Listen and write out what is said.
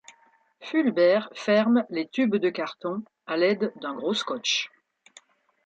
Fulbert ferme les tubes de cartons à l’aide d’un gros scotch.